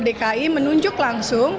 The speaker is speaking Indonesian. dki menunjuk langsung